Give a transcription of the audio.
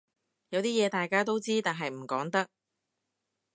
有啲嘢大家都知但係唔講得